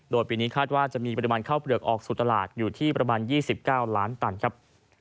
โดยปีนี้คาดว่าจะมีปริมาณข้าวเปลือกออกสู่ตลาดอยู่ที่ประมาณ๒๙ล้านตันครับ